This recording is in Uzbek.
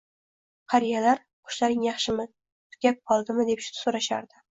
qariyalar “O’qishlaring yaxshimi? Tugab qoldimi?”, deb so’rashardi.